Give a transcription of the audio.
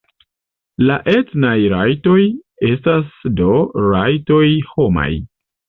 La etnaj rajtoj estas do rajtoj homaj.